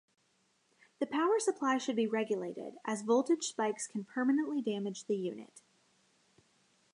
The power supply should be regulated, as voltage spikes can permanently damage the unit.